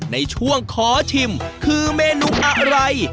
ในช่วงขอชิมคือเมนูอะไร